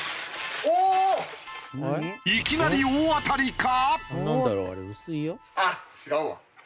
いきなり大当たりか？